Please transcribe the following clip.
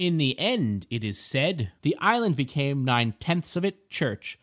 In the end, it is said, the island became, nine tenths of it, church.